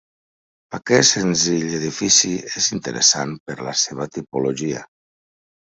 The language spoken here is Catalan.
Aquest senzill edifici és interessant per la seva tipologia.